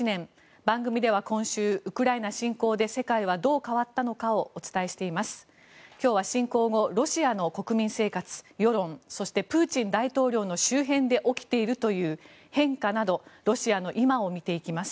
番組では今週ウクライナ侵攻で世界はどう変わったのかをお伝えしています。